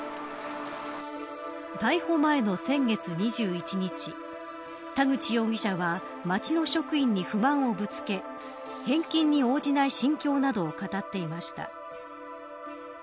逮捕前の先月２１日田口容疑者は町の職員に不満をぶつけ返金に応じない心境などを語っていました。